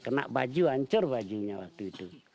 kena baju hancur bajunya waktu itu